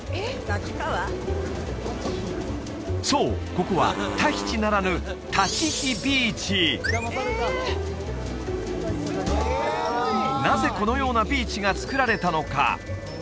ここはタヒチならぬなぜこのようなビーチがつくられたのか？